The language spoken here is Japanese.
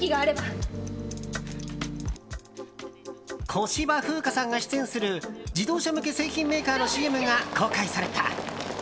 小芝風花さんが出演する自動車向け製品メーカーのＣＭが公開された。